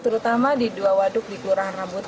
terutama di dua waduk di kelurahan rambut